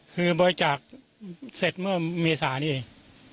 คือบริจาคเสร็จเมื่อเมษานี้เอง